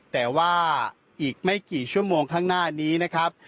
แต่ว่าอีกไม่กี่ชั่วโมงข้างหน้านี้นะครับ